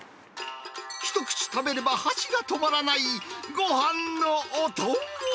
一口食べれば箸が止まらないごはんのお供。